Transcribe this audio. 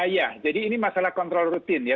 ya jadi ini masalah kontrol rutin ya